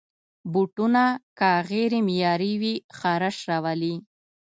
بوټونه که غیر معیاري وي، خارش راولي.